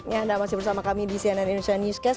ya anda masih bersama kami di cnn indonesia newscast